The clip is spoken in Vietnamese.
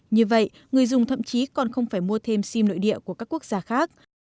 như vậy người dùng thậm chí còn không phải mua thêm sim nội địa của các quốc gia khác